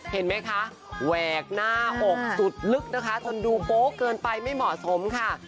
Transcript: เห็นไหมคะแหวกหน้าอกสุดลึกนะคะทนดูโป๊ะเกินไปไม่เหมาะสมค่ะ